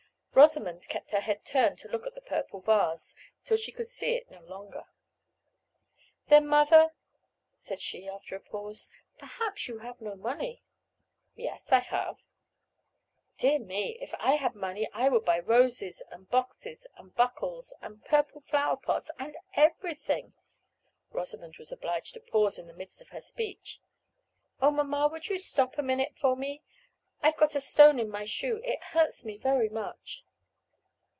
Rosamond kept her head turned to look at the purple vase, till she could see it no longer. "Then, mother," said she, after a pause, "perhaps you have no money." "Yes, I have." "Dear me, if I had money I would buy roses, and boxes, and buckles, and purple flower pots, and everything." Rosamond was obliged to pause in the midst of her speech. "Oh, mamma, would you stop a minute for me? I have got a stone in my shoe; it hurts me very much."